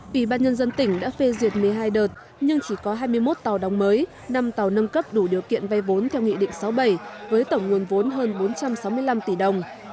ủy ban nhân dân tỉnh đã phê duyệt một mươi hai đợt nhưng chỉ có hai mươi một tàu đóng mới năm tàu nâng cấp đủ điều kiện vay vốn theo nghị định sáu mươi bảy với tổng nguồn vốn hơn bốn trăm sáu mươi năm tỷ đồng